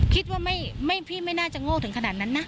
คิดว่าพี่ไม่น่าจะโง่ถึงขนาดนั้นนะ